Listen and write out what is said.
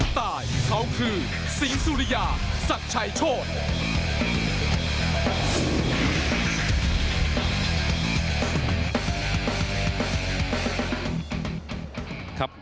ทั้ง๓เสียงเอกอาจารย์ครับ